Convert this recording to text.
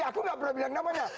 kau udah bilang namanya